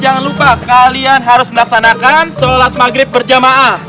jangan lupa kalian harus melaksanakan sholat maghrib berjamaah